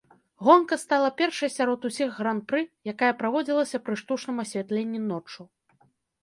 Гонка стала першай сярод усіх гран-пры, якая праводзілася пры штучным асвятленні ноччу.